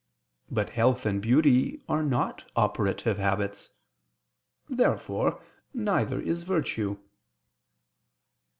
But health and beauty are not operative habits. Therefore neither is virtue.